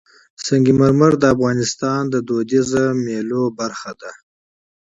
سنگ مرمر د افغانستان د فرهنګي فستیوالونو برخه ده.